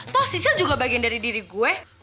toh sisa juga bagian dari diri gue